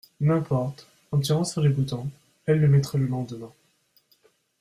N'importe, en tirant sur les boutons, elle le mettrait le lendemain.